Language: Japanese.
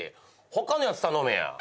他のやつ頼めや。